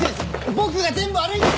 僕が全部悪いんです！